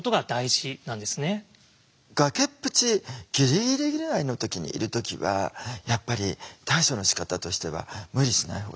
崖っぷちギリギリぐらいの時にいる時はやっぱり対処のしかたとしては無理しないほうがいいと思うんです。